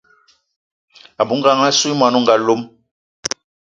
A bou ngang assou y mwani o nga lom.